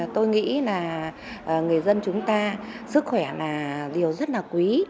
tôi nghĩ là người dân chúng ta sức khỏe là điều rất là quý